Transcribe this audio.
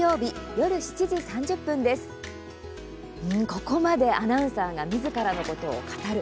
ここまでアナウンサーがみずからのことを語る。